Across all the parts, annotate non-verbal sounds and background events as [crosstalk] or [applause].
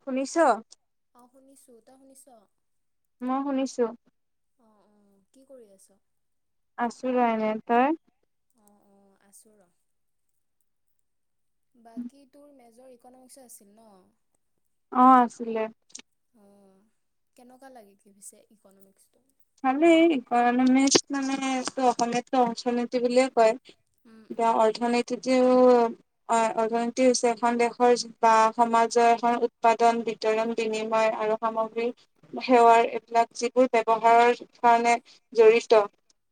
শুনিছ। শুনিছো তই শুনিছ? মই শুনিছো। অহ অহ কি কৰি আছ আছো হয়নে তই? অ অ অ আছো ৰ বাকী তোৰ মেজ মেজৰ ইকনমিক্স আছিল ন। অ আছিলে উম কেনেকুৱা লাগে কি বুজি ইকনমিক্সটো ভালেই ইকনমিক্স মানেটো অসমীয়াটো অংশনীতি বুলিয়ে কয়। এতিয়া অৰ্থনীতি। যিবোৰ অ অৰ্থনীতি হৈছে এখন দেশৰ বা সমাজৰ এখন উৎপাদন বৃদ্ধি দৰম বিনিময় আৰু সামগ্ৰীৰ সেৱাৰ এইবিলাক যিবোৰ ব্যৱসায় ব্যৱহাৰ কাৰণে জড়িত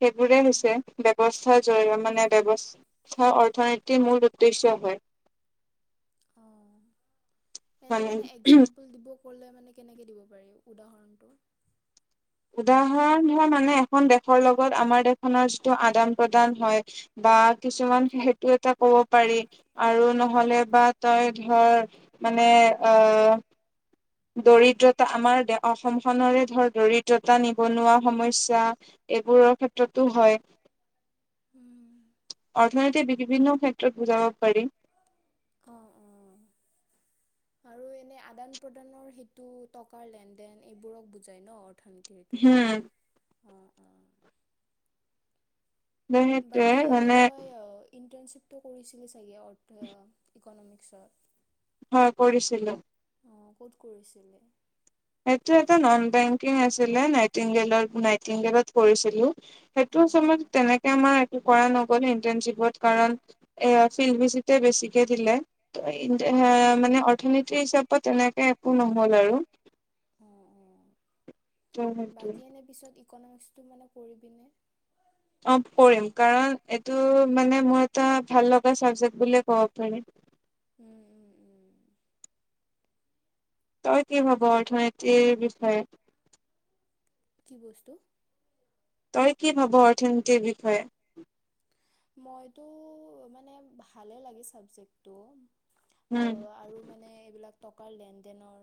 সেইবোৰে হৈছে ব্যৱস্থা স্বম মানে ব্যৱস্থা অৰ্থনীতিৰ মূল উদ্দেশ্য হয় অ এনে মানে এক্জাম্পল দিব ক'লে মানে কেনেকৈ দিব পাৰি উদাহৰণটো উদাহৰণ হয় মানে এখন দেশৰ লগত আমাৰ দেশখনৰ যিটো আদান প্ৰদান হয় বা কিছুমান সেইটো এটা ক'ব পাৰি আৰু নহলে বা তই ধৰ মানে এই অহ দৰিদ্ৰতা আমাৰ দেশৰ অসমখনৰে ধৰ দৰিদ্ৰতা নিবনুৱা সমস্যা এইবোৰৰ ক্ষেত্ৰতো হয় উম [unintelligible] অৰ্থনীতি বিভিন্ন ক্ষেত্ৰত বুজাব পাৰি অঁ অঁ আৰু এনে আদান প্ৰদানৰ সেইটো টকাৰ লেন দেন এইবোৰক বুজাই ন অ অৰ্থনীতি সেইটো মানে সেইতোৱে মানে ইণ্টাৰ্ণশ্বিপটো কৰিছিলে চাগে অৰ্থ ইকনমিক্সত হয় কৰিছিলো অঁ ক'ত কৰিছিলি? এইটো এটা নন বেংকিং আছিলে নাইটিংগেল নাইটিংগেলত কৰিছিলো সেইটো আচলত তেনেকে আমাৰ কৰা নগ'ল ইণ্টাৰ্নশ্বিপত কাৰণ এ ফিল্ড ভিজিতে বেছিকে দিলে তই এতিয়া মুঠতে মানে অৰ্থনীতি হিচাপত তেনেকে একো নহ'ল আৰু উম উম বাকী এনে পিছত ইকনমিক্সটো মানে পঢ়িপিনে অ পঢ়িম কাৰণ এইটো মানে মোৰ এ ভাল লগা চাবজেক্ট বুলিয়ে ক'ব পাৰি উম উম উম তই কি ভাব অৰ্থনীতিৰ বিষয়ে? বস্তু তই কি ভাব অৰ্থনীতিৰ বিষয়ে? মইতো মানে ভালে লাগে চাবজেক্টো। অ আৰু মানে এইবিলাক টকাৰ লেন দেনৰ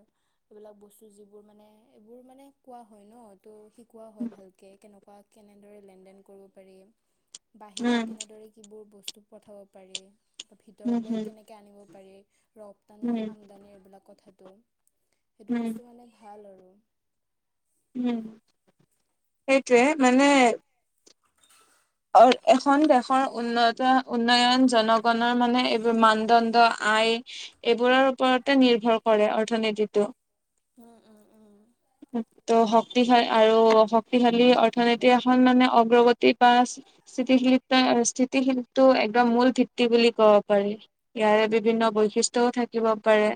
এইবিলাক বস্তু যিবোৰ মানে এইবোৰ মানে কোৱা হয় ন ত কোৱা হয় ভালকৈ কেনেকুৱা কেনেদৰে লেনদেন কৰিব পাৰি বাহিৰত। কেনেদৰে কিবোৰ বস্তু পঠাব পাৰি বা ভিতৰলৈ কেনেকে আনিব পাৰি। ৰপ্তানি আমদানি এইবিলাক কথাটো, সেইটো বস্তু মানে ভাল আৰু। [inaudible] উম সেইটোৱে মানে। অ এখন দেশৰ উন্নত উন্নয়ন জনগণৰ মানে এইবোৰ মানদণ্ড আই। এইবোৰৰ ওপৰতে নিৰ্ভৰ কৰে অৰ্থনীতিটো। ত শক্তিশাল আৰু শক্তিশালী অৰ্থনীতি এখন মানে অগ্ৰগতি বা স্থিতিশীলা স্থিতিশীলতটো একদম মূল ভিত্তি বুলি ক'ব পাৰি। ইয়াৰে বিভিন্ন বৈশিষ্ট্যয়ও থাকিব পাৰে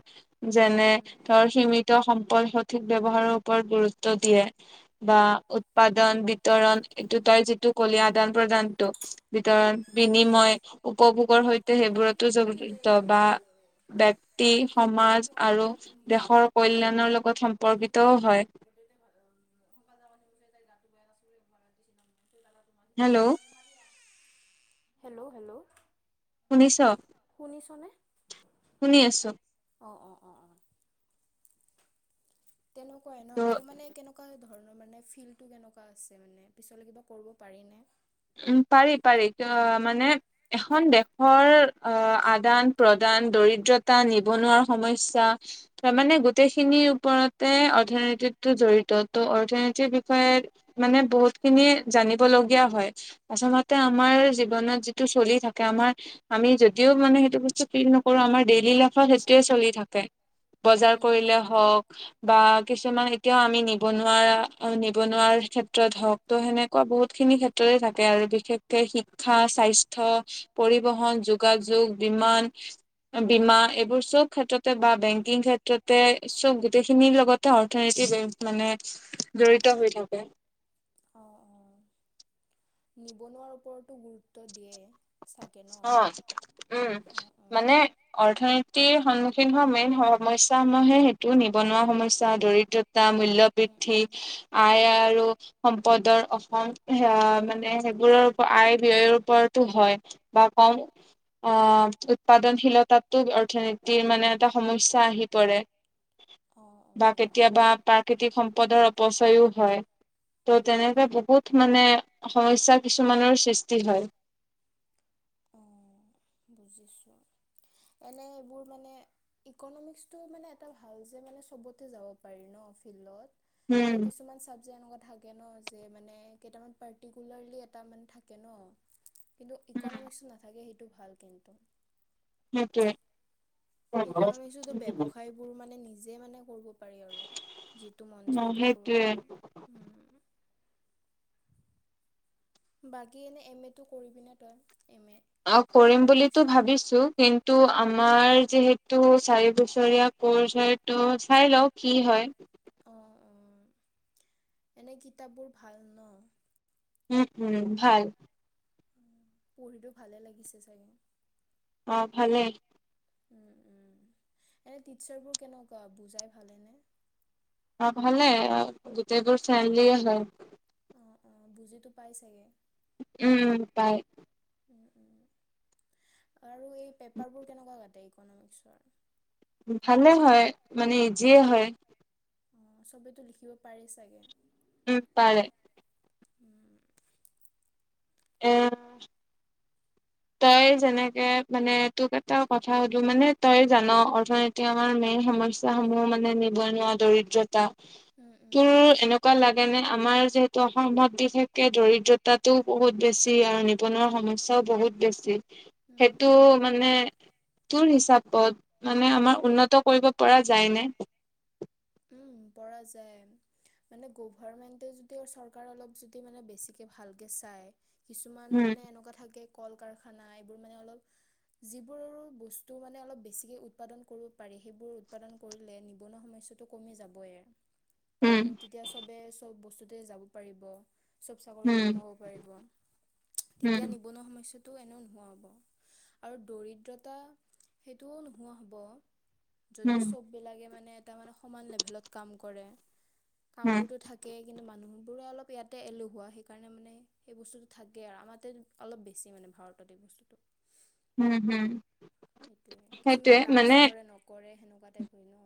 যেনে ধৰ সীমিত সম্পদ সঠিক বয়। পঢ়াৰৰ ওপৰত গুৰুত্ব দিয়ে বা উৎপাদন বিতৰণ এইটো তাৰ যিটো কলি আদান প্ৰদানটো বিতৰ বিনিময় উপভোগৰ সৈতে সেইবোৰতো জিত ব্যক্তি সমাজ আৰু দেশৰ কল্যাণৰ লগত সম্পৰ্কিতও হয়। [inaudible] [inaudible] হেল্ল', হেল্ল' হেল্ল' চনে শুনি আছোঁ। তেনেকুৱাই ন আৰু মানে কেনেকুৱা ধৰ। মানে ফিলটো কেনেকুৱা আছিল মানে পিছলৈ কিবা কৰিব পাৰি নে। উম পাৰি পাৰি মানে এখন দেশৰ আহ আদান প্ৰদান। দৰিদ্ৰতা নিবনুৱাৰ সমস্যা ত মানে গোটেই খিনিৰ ওপৰত। অৰ্থনীতিতটো জড়িত ত' অৰ্থনীতিৰ বিষয়ে মানে বহুত খিনি জানিব লগ লগীয়া হয়। আচলতে আমাৰ জীৱনত যিটো চলি থাকে আমাৰ আমি যদিও মানে সেইটো বস্তু। কি নকৰো আমাৰ ডেইলি লাইফত সেইটোৱে চলি থাকে। বজাৰ কৰিলে হওক বা কিছু কিছুমান এতিয়াও আমি নিবনুৱা নিবনুৱাৰ ক্ষেত্ৰত হওঁক ত সেনেকুৱা বহুত খিনি ক্ষে থাকে আৰু বিশেষকে শ শিক্ষা স্বাস্থ্য পৰিবহন যোগাযোগ বিমান। বীমা এইবোৰ চব ক্ষেত্ৰত- বা বেংকিং ক্ষেত্ৰতে চব গোটেইখিনিৰ লগতে অৰ্থনীতি মানে জৰি এ হৈ থাকে। নিবনুৱাৰ ওপৰতো গুৰুত্ব দিয়ে অ উম মানে অৰ্থনীতিৰ সন্মুখীন ৰ মেইন সমস্যাসমূহে সেইটো নিবনুৱা সমস্যা দৰিদ্ৰতা। মূল্য বৃদ্ধি আ আৰু সম্পদৰ অসম মানে সেইবোৰৰ আয় বয়ৰ ওপৰতো হয়। বা ক অ উৎপাদনশীলতাতো অৰ্থনীতিৰ মানে এটা সমস্যা আহি পৰে। বা কেতিয়াবা প্ৰাকৃতিক সম্পদৰ উপচয়ও হয় ত' তেনেকে বহুত মানে সমস্যা কিছুমানৰ সৃষ্টি হয় বুজিছোঁ এনে এইবোৰ মানে ইকনমিক্স টো মানে এটা ভাল যে মানে চবতে যাব পাৰি ন। ফিল্ডত এনে কিছুমান চাবজেক্ট এণকা থাকে থাকে ন মানে যে কেইটামান পাৰ্টিকুলাৰ লি এটা মানে থাকে ন ইকনমিক্স নাথাকে সেইটো ভাল কিন্তু সেইটোৱে ইকনমিক টো‌ যে কৰিব পাৰে বাকী এনে এম এ টো কৰিবি না তই অ কৰিম বুলিতো ভাবিছো কিন্তু আমাৰ যিহেতু চাৰি বছৰীয়া কৰ্চ হয় ত চাই লও কি হয় অ অ এনে কিতাপবোৰ ভাল ন উম উম ভাল পঢ়িলো ভালে লাগিছে চাগে অ ভালেই উ উ এনে টিচাবোৰ কেনেকা বুজাই ভালেনে অ ভালে গোটেইবোৰ চাল দি আহে অ বুজিতো পাই চাগে উম পাই উ উ আৰু এই পেপাৰবোৰ কেনেকুৱা কাটে ইকনমিক্সৰ ভালে হয় মানে ইজিয়ে হয় অ চবেইেতো লিখিব পাৰি চাগে উম পাৰে উ উ তই যেনেকে মানে তোক এটা কথা সুধো মানে তই জান অৰ্থনীতি আমাৰ মেইন সমস্যাস সমূহৰ মানে নিৱনুৱা দৰিদ্ৰতা তোৰ এনেকুৱা লাগে সেইকাৰণে আমাৰ যিহেতু অসমভাতি থাকে দৰিদ্ৰতাটোও বহুত বেছি আৰু নিৱনুৱা সমস্যাও বহুত বেছি সেইটো মানে তোৰ হিচাপত মানে আমাৰ উন্নত কৰিব পৰা যায় নে উম পৰা যায় মানে গভাৰমেন্টে যদি চৰকাৰ অলপ যদি মানে বেছিকে ভালকে চাই কিছুমান মানে এনেকুৱা থাকে কল কাৰখানা এইবোৰ মানে অলপ যিবোৰ বস্তু মানে অলপ বেছিকে উৎপাদন কৰিব পাৰি সেইবোৰ উৎপাদন কৰি নিবনুৱা সমস্যা টো কমি যাবয়ে কাৰণ তেতিয়া চবে চব বস্তুতে যাব পাৰিব। চব চাকৰিতো সোমাব পাৰিব তেতিয়া নিবনুৱা সমস্যা টো এনেও নোহোৱা হ'ব আৰু দৰিদ্ৰতা সেইটোও নোহোৱা হ'ব যদি চব বিলাকে মানে এটা মানে সমান লেভেলত কাম কৰে কাম বোৰতো থাকেই কিন্তু মানুহ বোৰে অলপ ইয়াতে এলেহুৱা সেইকাৰণে মানে সেই বস্তুটো থাকে আৰু আমাৰ অলপ বেছি মানে ভাৰততে এবোৰ [unintelligible] উম হুম সেইটোৱে কিছুমানে লাজ কৰে নকৰে সেনেকুৱা টাইপ হয় ন।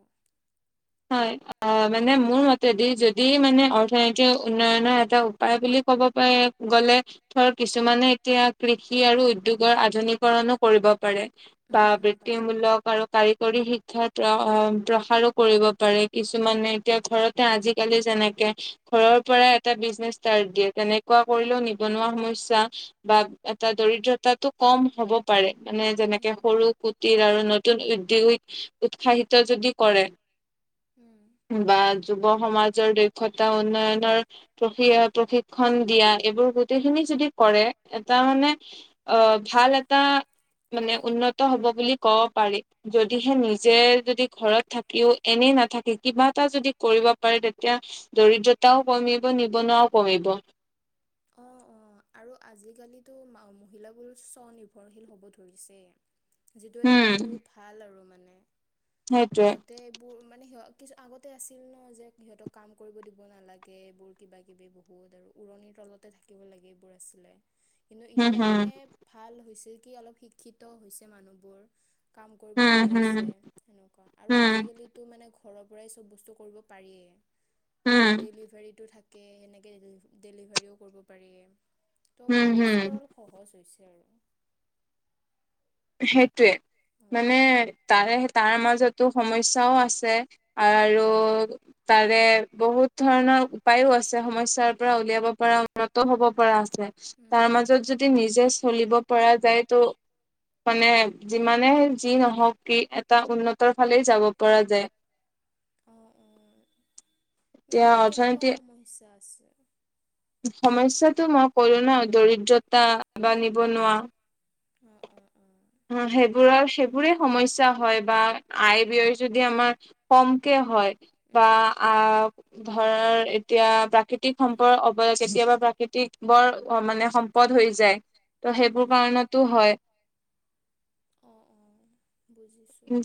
হয় অ মানে মোৰ মতেদি যদি মানে অৰ্থনীতি উন্নয়নৰ এটা উপায় বুলি। ক'ব পাই গলে ধৰ কিছুমানে এতিয়া কৃষি আৰু উদ্যোগৰ আধুনিকৰণো কৰিব। বা বৃত্তিমূলক আৰু কাৰিকৰী শিক্ষাৰ প্ৰসাৰো কৰিব কিছুমানে এতিয়া ঘৰতে আজিকালি যেনেকে ঘৰৰ পৰা এটা বিজনে ষ্টাৰ্ট দিয়ে। তেনেকুৱা কৰিলেও নিবনুৱা সমস্যা বা এটা দৰিদ্ৰতাটো কম হব পাৰে। মানে যেনেকে সৰু কুটিৰ আৰু নতুন উদ্যোগিক উৎসাহিত যদি কৰে। বা যুৱ সমাজ নিজৰ দক্ষতা উন্নয়নৰ প্ৰশ প্ৰশিক্ষণ দিয়া এইবোৰ গোটেইখিনি যদি কৰে। এটা মানে অ ভাল এটা মানে উন্নত হব বুলি ক'ব পাৰি যদিহে নিজে যদি ঘৰত থাকিও এনেই নাথাকে কিবা এটা যদি কৰিব পাৰে তেতিয়া দৰিদ্ৰতাও কমিব নিবনুৱাও কমিব। [inaudible] আৰু আজিকালিতো মহিলাবোৰ স্ব নিৰ্ভৰশীল হব ধৰিছে যিটো এটা মানে বহুত ভাল আৰু মানে। সিহঁতে এইবোৰ মানে সিহঁত কিছু আগতে আছিল ন যে সিহঁতক কাম কৰিব দিব নালাগে এইবোৰ কিবা কিবি বহুত আৰু উৰণিৰ তলত থাকিব লাগে এইবোৰ আছিলে কিন্তু এতিয়া মানে ভাল হৈছে। কি অলপ শিক্ষিত হৈছে মানুহবোৰ। কাম কৰিব দিয়া হৈছে এনেকুৱা আৰু আজিকালি মানে। ঘৰৰ পৰাই চব বস্তু কৰিব পাৰিয়ে ডেলিভাৰীটো। সেনেকে ডেলিভাৰীও কৰিব পাৰি। ত' মানে বস্তু বোৰ অলপ সহজ হৈছে আৰু সেইটোৱে মানে তাৰে তাৰ মাজতো সমস্যাও আছে। আৰু তাৰে বহুত ধৰণৰ উপায়ো আছে সমস্যাৰ পৰা উলিয়াব পৰা উন্নত হব পৰা আছে। তাৰ মাজত যদি নিজে চলিব পৰা যায় তো মানে যিমানে যি নহওক কি এটা উন্নতৰ ফালেই যাব পৰা যায়। অ অ মানে কেনেকুৱা সমস্যা আছে। সমস্যাটো মই কলো ন দৰিদ্ৰতা বা নিবনুৱা [inaudible] সেইবোৰৰ সেইবোৰে সমস্যা হয় বা আই ব্যয় যদি আমাৰ কমকে হয়। বা আ ধৰ এতিয়া প্ৰাকৃতিক সম্পদ অ কেতিয়াবা প্ৰাকৃতিক বৰ মানে সম্পদ যায় ত সেইবোৰ কাৰণতো হয়। উ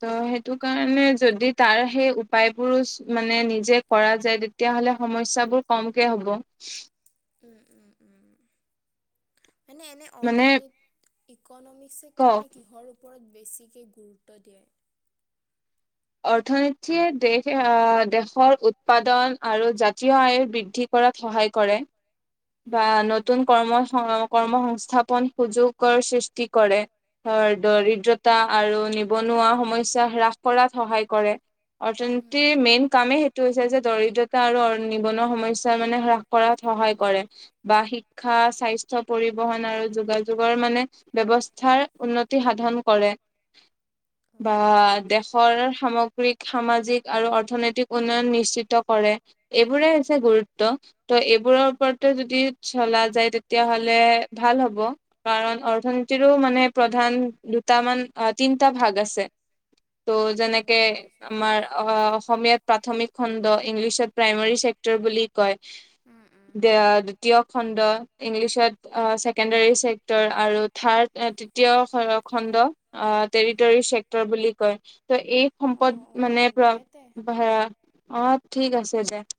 তেই সেই টো কাৰণে যদি তাৰ সেই উপায়বোৰো মানে নিজে কৰা যায় তেতিয়া হ'লে সমস্যা। বোৰ কমকে হ'ব উম উম উম মানে এনে অৰ্থনীতি ইকনমিক্সে মানে কিহৰ ওপৰত বেছিকে গুৰুত্ব দিয়ে অৰ্থনীতিয়ে দেশ আহ দেশৰ উৎপাদন আৰু জাতীয় আয়ুৰ বৃদ্ধি কৰে কৰাত সহায় কৰে বা নতুন কৰ্ম কৰ্ম সংস্থাপন সুযোগৰ সৃষ্টি কৰে দৰিদ্ৰতা আৰু নিবনুৱা। সমস্যা হ্ৰাস কৰাত সহায় কৰে অৰ্থনিতিৰ মেইন কাম সেইটো হৈছে যে দৰিদ্ৰতা। আৰু নিবনুৱা সমস্যা মানে হ্ৰাস কৰাত সহায় কৰে। বা শিক্ষা স্বাস্থ্য পৰিবহন আৰু যোগাযোগৰ মানে ব্যৱস্থাৰ উন্নত। সাধন কৰে বা দেশৰ সামগ্ৰিক। সামাজিক আৰু অৰ্থনৈতিক উন্নয়ন নিশ্চিত কৰে এইবোৰে হৈছে গুৰুত্ব ত' এই এই বোৰৰ ওপৰত যদি চলা যায় তেতিয়া হ'লে ভাল হ'ব কাৰণ অৰ্থনীতিৰো মানে প্ৰধান দুটামান অ তিনিটা ভাগ আছে। ত' যেনেকে আমাৰ অ অসমীয়াত প্ৰাথমিক খণ্ড ইংলিছত প্ৰাইমাৰী চেক্টৰ বুলি কয় এ দ্ধিতীয় খণ্ড ইংলিছত ছেকেণ্ডাৰি চেক্টৰ আৰু ৰ্থাড তিতিয়। খণ্ড আহ টেৰিটৰী চেক্টৰ বুলি কয় ত এই সম্পদ মানে ভ অ ঠিক আছে দে। [inaudible]